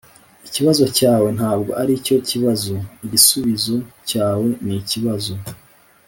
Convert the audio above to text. "ikibazo cyawe ntabwo aricyo kibazo. igisubizo cyawe nikibazo."